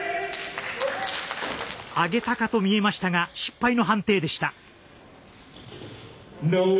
挙げたかと見えましたが失敗の判定でした。